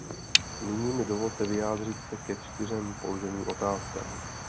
Nyní mi dovolte vyjádřit se ke čtyřem položeným otázkám.